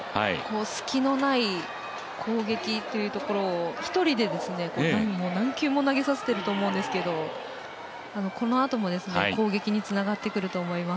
隙のない攻撃というところを１人で何球も投げさせてると思うんですけどこのあとも、攻撃につながってくると思います。